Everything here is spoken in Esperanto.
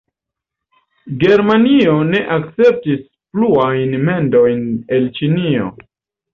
Germanio ne akceptis pluajn mendojn el Ĉinio.